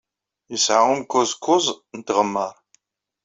Yesɛa umkuẓ kuẓ n tɣemmar.